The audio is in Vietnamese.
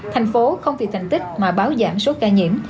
thành phố không vì thành tích mà báo giảm số ca nhiễm